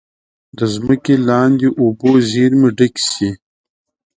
د ځمکې لاندې اوبو زیرمې ډکې شي.